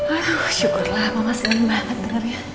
aduh syukurlah mama senang banget sebenarnya